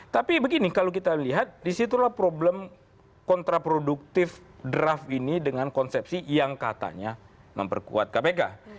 tapi begini kalau kita lihat disitulah problem kontraproduktif draft ini dengan konsepsi yang katanya memperkuat kpk